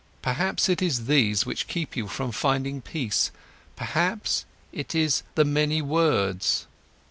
Perhaps it is these which keep you from finding peace, perhaps it is the many words.